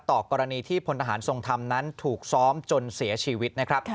ต่อกรณีที่พลทหารทรงธรรมนั้นถูกซ้อมจนเสียชีวิตนะครับ